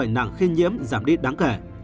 nặng khi nhiễm giảm đi đáng kể